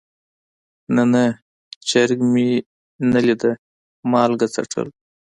نه نه چرګ مې نه ليده مالګه څټل.